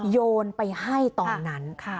โยนไปให้ตอนนั้น